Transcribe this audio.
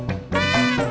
alia gak ada ajak rapat